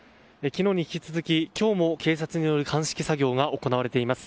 昨日に引き続き今日も警察による鑑識作業が行われています。